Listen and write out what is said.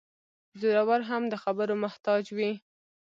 زورور هم د خبرو محتاج وي.